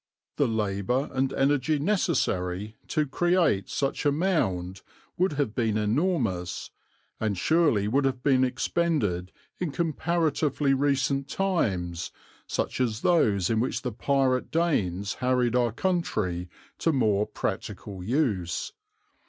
The labour and energy necessary to create such a mound would have been enormous, and surely would have been expended in comparatively recent times, such as those in which the Pirate Danes harried our country, to more practical use.